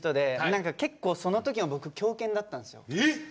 結構その時の僕狂犬だったんですよ。